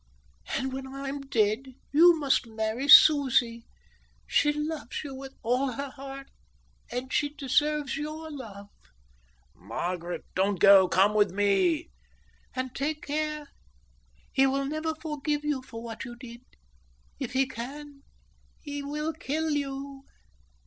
And when I'm dead you must marry Susie. She loves you with all her heart, and she deserves your love." "Margaret, don't go. Come with me." "And take care. He will never forgive you for what you did. If he can, he will kill you."